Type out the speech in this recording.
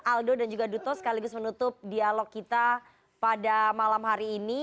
aldo dan juga duto sekaligus menutup dialog kita pada malam hari ini